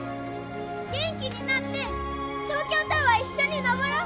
元気になって東京タワー一緒にのぼろ！